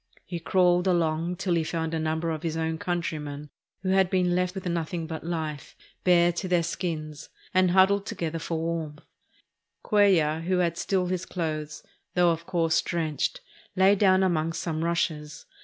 He crawled along till he found a number of his countr3rmen who had been left with nothing but hfe, bare to their skins, and huddled together for warmth. Cuellar, who had still his clothes, though of course drenched, lay down among some rushes.